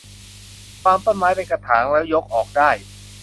วางต้นไม้เป็นกระถางแล้วยกออกได้